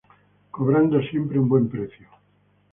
Cobrando siempre un buen precio.